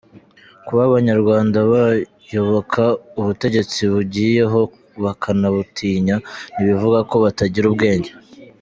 Kuba abanyarwanda bayoboka ubutegetsi bugiyeho bakanabutinya, nti bivuga ko batagira ubwenge.